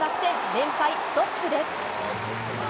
連敗ストップです！